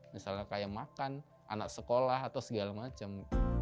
misalnya kayak makan anak sekolah atau segala macam